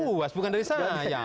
pak buas bukan dari saya